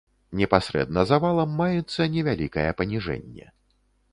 Непасрэдна за валам маецца невялікае паніжэнне.